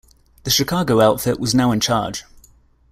The Chicago Outfit was now in charge.